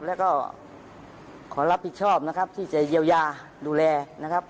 แล้วก็ขอรับผิดชอบนะครับที่จะเยียวยาดูแลนะครับ